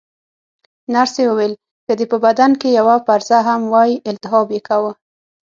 نرسې وویل: که دې په بدن کې یوه پرزه هم وای، التهاب یې کاوه.